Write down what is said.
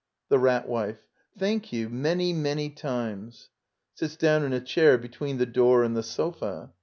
The Rat Wife. Thank you, many, many times! [Sits down in a chair between the door and the sofa.